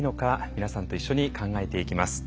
皆さんと一緒に考えていきます。